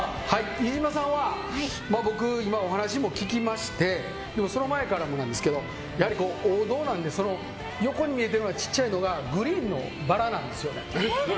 飯島さんは僕、今お話も聞きましてその前からもなんですけどやはり王道なんで横に見えてる小さいのがグリーンのバラなんですよ。